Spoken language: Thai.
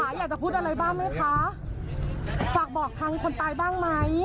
อยากจะพูดอะไรบ้างไหมคะฝากบอกทางคนตายบ้างไหม